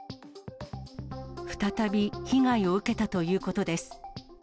再び被害を受けたということです。